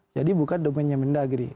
jadi bukan domainnya dendagri